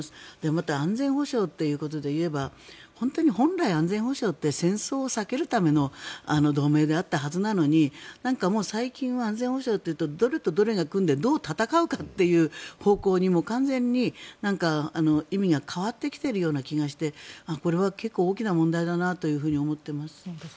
また安全保障ということでいえば本来、安全保障って戦争を避けるための同盟であったはずなのにもう最近は安全保障というとどれとどれが組んでどう戦うかという方向に完全に意味が変わってきているような気がしてこれは結構大きな問題だなと思っています。